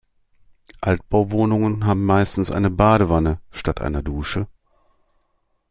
Altbauwohnungen haben meistens eine Badewanne statt einer Dusche.